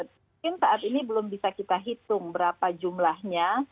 mungkin saat ini belum bisa kita hitung berapa jumlahnya